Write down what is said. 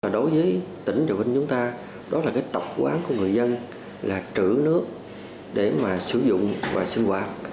đối với tỉnh trà vinh chúng ta đó là cái tập quán của người dân là trữ nước để mà sử dụng và sinh hoạt